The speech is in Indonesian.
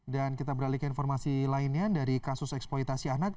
dan kita beralih ke informasi lainnya dari kasus eksploitasi anak